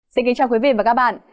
xin kính chào quý vị và các bạn